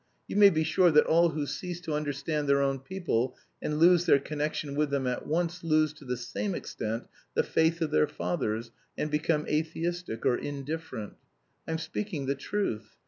You may be sure that all who cease to understand their own people and lose their connection with them at once lose to the same extent the faith of their fathers, and become atheistic or indifferent. I'm speaking the truth!